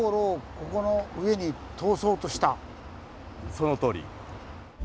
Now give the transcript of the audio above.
そのとおり。